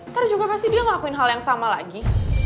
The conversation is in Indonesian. ntar juga pasti dia ngelakuin hal yang sama lagi